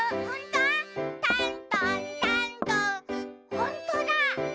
ほんとだ！